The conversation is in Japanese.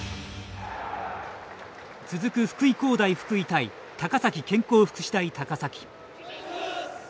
続く、福井工大福井対高崎健康福祉大高崎。